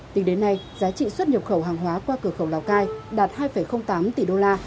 tính đến nay giá trị xuất nhập khẩu hàng hóa qua cửa khẩu lào cai đạt hai tám tỷ đô la